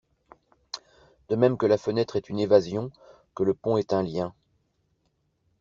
De même que la fenêtre est une évasion, que le pont est un lien.